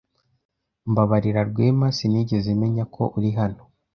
Mbabarira, Rwema, Sinigeze menya ko uri hano.